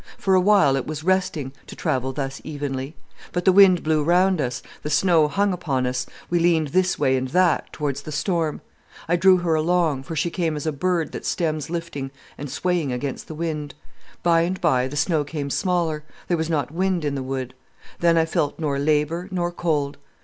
For a while it was resting, to travel thus evenly. But the wind blew round us, the snow hung upon us, we leaned us this way and that, towards the storm. I drew her along, for she came as a bird that stems lifting and swaying against the wind. By and by the snow came smaller, there was not wind in the wood. Then I felt nor labour, nor cold.